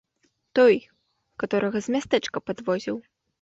Той, каторага з мястэчка падвозіў.